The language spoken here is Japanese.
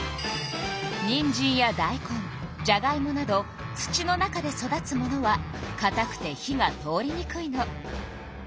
にんじんやだいこんじゃがいもなど土の中で育つものはかたくて火が通りにくいの。